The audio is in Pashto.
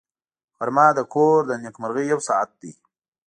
غرمه د کور د نېکمرغۍ یو ساعت دی